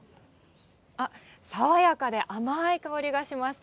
あっ、爽やかで甘い香りがします。